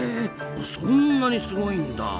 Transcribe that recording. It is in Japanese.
そんなにすごいんだ！